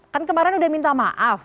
kan kemarin udah minta maaf